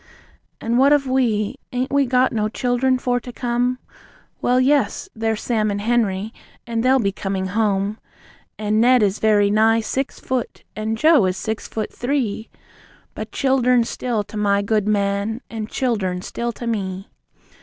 And what of we? And ain't we got no childern for to come? Well, yes! There's Sam and Henery, and they'll be coming home. And Ned is very nigh six foot, and Joe is six foot three! But childern still to my good man, and childern still to me!